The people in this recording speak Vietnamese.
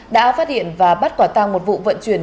đã phát hiện và bắt quả tăng một vụ vận chuyển